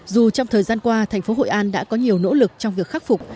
dù trong thời gian qua thành phố hội an đã có nhiều nỗ lực trong việc khắc phục